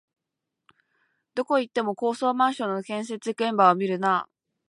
どこ行っても高層マンションの建設現場を見るなあ